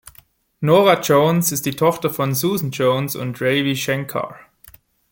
Norah Jones ist die Tochter von Susan Jones und Ravi Shankar.